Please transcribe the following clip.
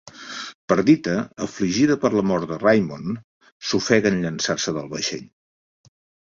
Perdita, afligida per la mort de Raymond, s'ofega en llançar-se del vaixell.